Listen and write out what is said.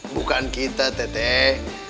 bukan kita teteh